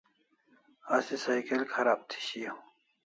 Asi cycle kharab thi shiau